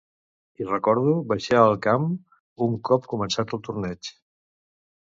I recordo baixar al camp un cop començat el torneig.